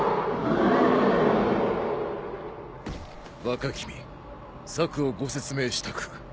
若君策をご説明したく。